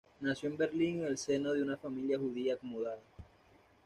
Nació en Berlín en el seno de una familia judía acomodada.